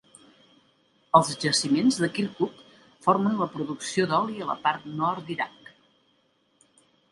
Els jaciments de Kirkuk formen la producció d'oli a la part nord d'Iraq.